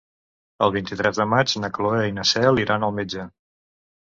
El vint-i-tres de maig na Cloè i na Cel iran al metge.